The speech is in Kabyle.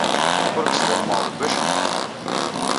Ur k-sḍelmeɣ deg wacemma.